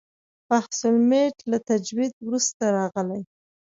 بحث المیت له تجوید وروسته راغلی.